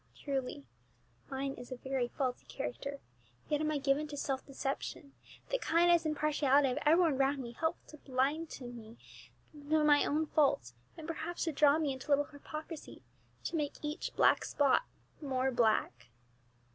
Truly mine is a very faulty character, yet am I given to self deception; the kindness and partiality of every one round me help to blind me to my own faults, and perhaps to draw me into a little hypocrisy, to make each 'black spot' more black."